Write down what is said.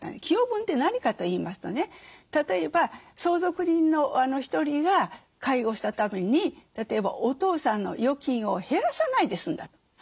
寄与分って何かといいますとね例えば相続人の１人が介護したために例えばお父さんの預金を減らさないで済んだと。